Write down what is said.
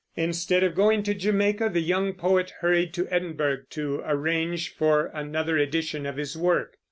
Instead of going to Jamaica, the young poet hurried to Edinburgh to arrange for another edition of his work.